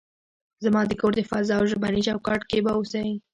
زما د کور د فضا او ژبني چوکاټ کې به اوسئ.